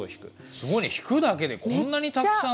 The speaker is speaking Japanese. すごいね「引く」だけでこんなにたくさん。